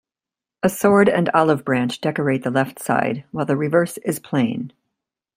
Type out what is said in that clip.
A sword and olive branch decorate the left side, while the reverse is plain.